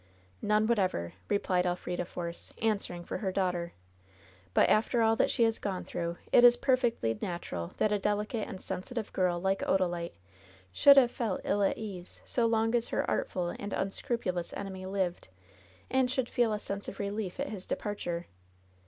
"None whatever,'' replied Elfrida Force, answering for her daughter; *T)ut after all that she has gone through, it is perfectly natural that a delicate and sen sitive girl, like Odalite, should have felt ill at ease so long as her artful and unscrupulous enemy lived, and should feel a sense of relief at his departure."